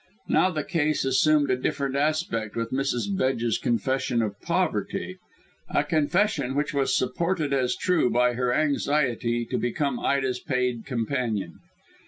Now the case assumed a different aspect with Mrs. Bedge's confession of poverty a confession which was supported as true by her anxiety to become Ida's paid companion.